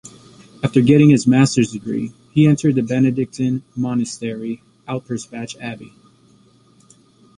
After getting his master's degree, he entered the Benedictine monastery Alpirsbach Abbey.